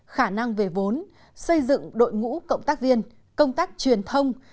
khả năng về vốn xây dựng đội ngũ cộng tác viên công tác truyền thông